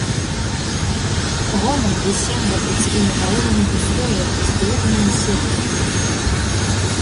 Гоман вісеў над людскімі галовамі густою, зблытанаю сеткаю.